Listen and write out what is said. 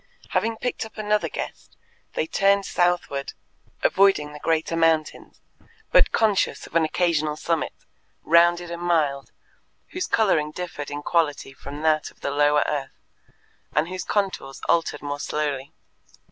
Having picked up another guest, they turned southward, avoiding the greater mountains, but conscious of an occasional summit, rounded and mild, whose colouring differed in quality from that of the lower earth, and whose contours altered more slowly.